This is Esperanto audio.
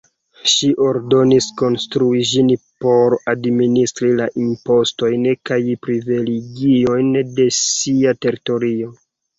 Ŝi ordonis konstrui ĝin por administri la impostojn kaj privilegiojn de sia teritorio.